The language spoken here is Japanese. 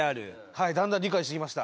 はいだんだん理解してきました。